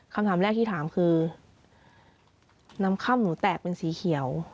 คำถามแรกที่ถามคือน้ำค่ำหนูแตกเป็นสีเขียว